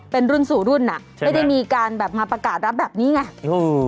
เป็นรุ่นสู่รุ่นอ่ะไม่ได้มีการแบบมาประกาศรับแบบนี้ไง